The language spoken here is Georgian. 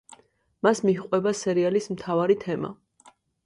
მას მიჰყვება სერიალის მთავარი თემა.